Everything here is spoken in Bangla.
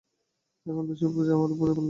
এখন দোষের বোঝা আমার উপরেই পড়ল।